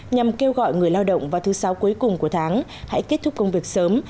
nhằm kêu gọi người lao động vào thứ sáu cuối cùng của tháng hãy kết thúc công việc sớm